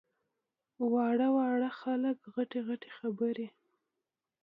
واړه واړه خلک غټې غټې خبرې!